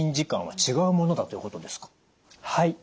はい。